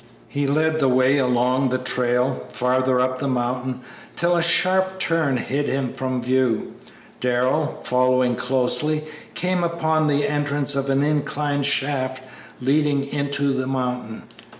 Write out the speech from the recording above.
He led the way along the trail, farther up the mountain, till a sharp turn hid him from view. Darrell, following closely, came upon the entrance of an incline shaft leading into the mountain.